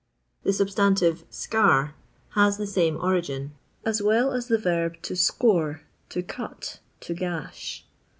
The substantive eear has the same origin ; as well as the verb to score, to cut, to gash.